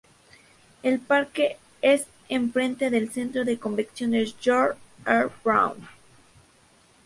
El parque es en frente del Centro de Convenciones George R. Brown.